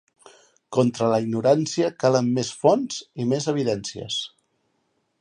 Contra la ignorància calen més fonts i més evidències.